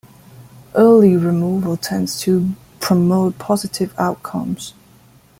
Early removal tends to promote positive outcomes.